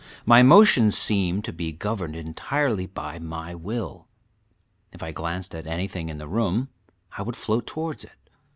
My motion seemed to be governed entirely by my will, if I glanced at anything in the room I would float towards it.